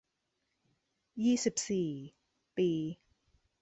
ยี่สิบสี่ ปี